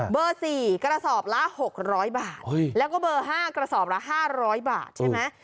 เบอร์สี่กระสอบละหกร้อยบาทแล้วก็เบอร์ห้ากระสอบละห้าร้อยบาทใช่ไหม